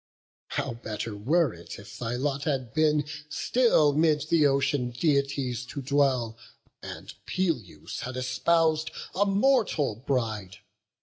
How better were it, if thy lot had been Still 'mid the Ocean deities to dwell, And Peleus had espous'd a mortal bride!